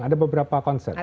ada beberapa konsep